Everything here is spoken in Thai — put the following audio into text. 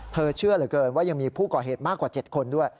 เชื่อเหลือเกินว่ายังมีผู้ก่อเหตุมากกว่า๗คนด้วย